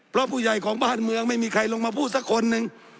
เพราะผู้ใหญ่ของบ้านเมืองไม่มีใครลงมาพูดสักคนหนึ่ง